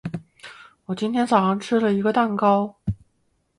我今天早上吃了一个鸡蛋。